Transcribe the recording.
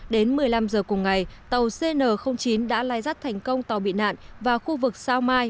đến một mươi năm giờ cùng ngày tàu cn chín đã lai rắt thành công tàu bị nạn vào khu vực sao mai